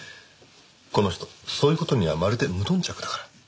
この人そういう事にはまるで無頓着だから。